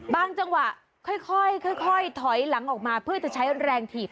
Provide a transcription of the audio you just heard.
บางจังหวะค่อยหลังออกมาเพื่อใช้กับแรงถีบ